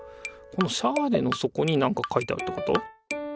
このシャーレの底になんか書いてあるってこと？